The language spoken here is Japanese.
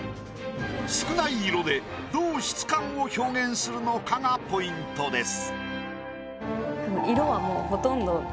少ない色でどう質感を表現するのかがポイントです。